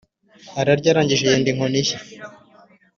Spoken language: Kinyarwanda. ararya, arangije yenda inkoni ye,